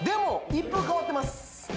一風変わってる？